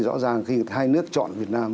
rõ ràng khi hai nước chọn việt nam